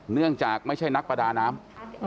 เนื่องจากไม่ใช่นักประดาน้ำ